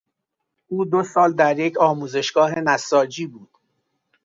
او دو سال در یک آموزشگاه نساجی بود.